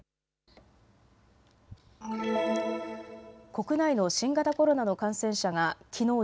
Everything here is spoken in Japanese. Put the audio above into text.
国内の新型コロナの感染者がきのう